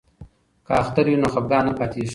که اختر وي نو خفګان نه پاتیږي.